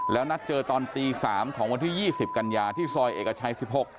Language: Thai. แล้วนัดเจอตอนตี๓ของวันที่๒๐กันยาที่ซอยเอกชัย๑๖